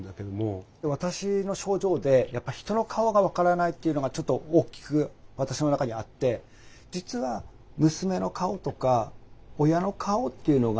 私の症状でやっぱり人の顔が分からないっていうのがちょっと大きく私の中にあって実は娘の顔とか親の顔っていうのが分かるんですよ